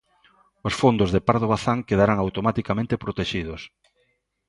Os fondos de Pardo Bazán quedarán automaticamente protexidos.